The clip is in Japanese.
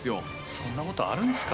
そんな事あるんですか？